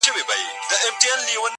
o په سپکو سپکتيا، په درنو درنتيا!